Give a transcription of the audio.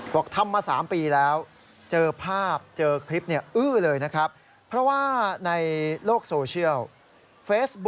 บอกทำมา๓ปีแล้วเจอภาพเจอคลิปเนี่ยอื้อเลยนะครับ